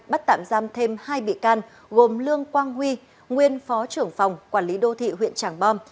bắt tạm giam thêm hai bị can gồm lương quang huy nguyên phó trưởng phòng quản lý đô thị huyện tràng bom